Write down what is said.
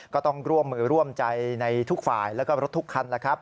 ก็ต้องร่วมมือร่วมใจในทุกฝ่ายแล้วก็รถทุกคันแล้วครับ